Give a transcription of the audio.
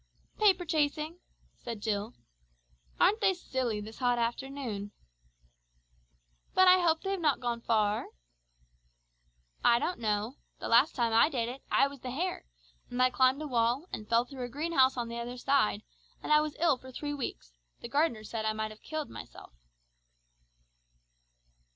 "Paper chasing," said Jill. "Aren't they stupid, this hot afternoon?" "But I hope they have not gone far?" "I don't know. The last time I did it, I was the hare, and I climbed a wall, and fell through a greenhouse the other side, and I was ill for three weeks; the gardener said I might have killed myself."